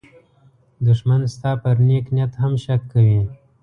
دښمن ستا پر نېک نیت هم شک کوي